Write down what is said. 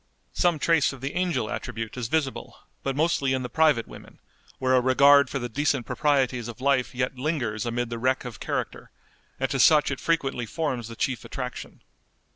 Some trace of the angel attribute is visible, but mostly in the private women, where a regard for the decent proprieties of life yet lingers amid the wreck of character, and to such it frequently forms the chief attraction.